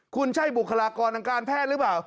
คุณใช่บุคลากรทางการแพทย์หรือเปล่า